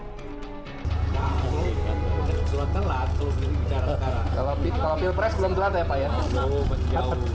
kalau pilpres belum gelap ya pak ya